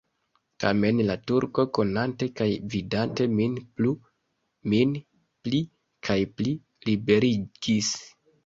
Tamen, la Turko konante kaj vidante min plu, min pli kaj pli liberigis.